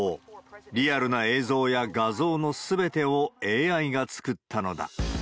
リアルな映像や画像のすべてをＡＩが作ったのだ。